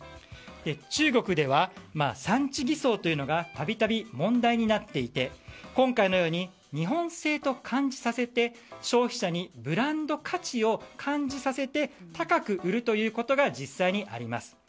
中国では産地偽装というのがたびたび問題になっていて今回のように日本製と感じさせて消費者にブランド価値を感じさせて高く売るということが実際にあります。